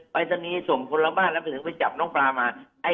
ไปทะนีส่งคนละบ้านแล้วถึงไปจับน้องปลามา